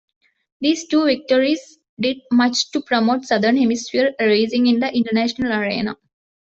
These two victories did much to promote Southern Hemisphere racing in the international arena.